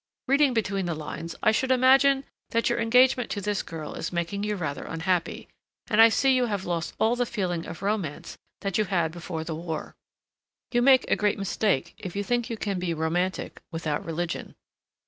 Reading between the lines I should imagine that your engagement to this girl is making you rather unhappy, and I see you have lost all the feeling of romance that you had before the war. You make a great mistake if you think you can be romantic without religion.